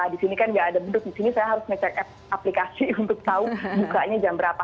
di sini kan nggak ada beduk di sini saya harus ngecek aplikasi untuk tahu bukanya jam berapa